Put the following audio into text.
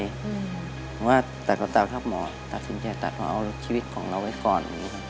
บอกว่าตัดก็ตัดครับหมอตัดสินใจตัดว่าเอาชีวิตของเราไว้ก่อน